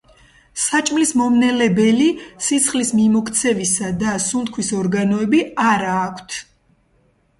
საჭმლის მომნელებელი, სისხლის მიმოქცევისა და სუნთქვის ორგანოები არა აქვთ.